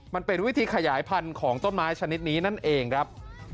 มันเป็นวิธีขยายพันธุ์ของต้นไม้ชนิดนี้นั่นเองครับ